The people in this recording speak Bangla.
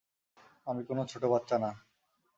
আমি কোন ছোট বাচ্চা না!